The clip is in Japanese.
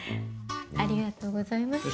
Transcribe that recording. ありがとうございます。